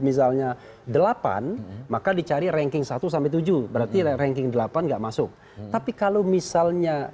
misalnya delapan maka dicari ranking satu sampai tujuh berarti ranking delapan enggak masuk tapi kalau misalnya